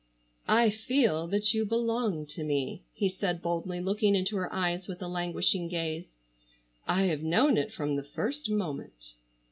"I feel that you belong to me," he said boldly looking into her eyes with a languishing gaze. "I have known it from the first moment."